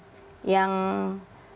dari kolpor dan jajaran tidak ada